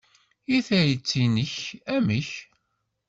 I tayet-nnek, amek?